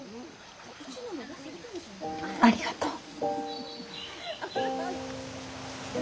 ありがとう。